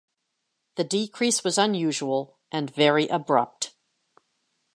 The decrease was unusual and very abrupt.